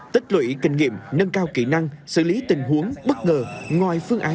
tích lũy kinh nghiệm nâng cao kỹ năng xử lý tình huống bất ngờ